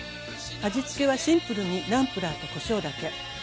味付けはシンプルにナムプラーとこしょうだけ。